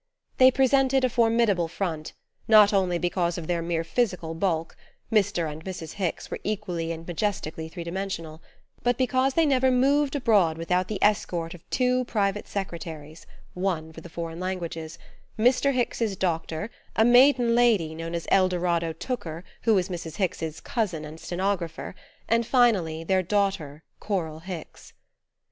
They presented a formidable front, not only because of their mere physical bulk Mr. and Mrs. Hicks were equally and majestically three dimensional but because they never moved abroad without the escort of two private secretaries (one for the foreign languages), Mr. Hicks's doctor, a maiden lady known as Eldoradder Tooker, who was Mrs. Hicks's cousin and stenographer, and finally their daughter, Coral Hicks.